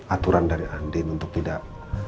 aturan dari andin untuk tidak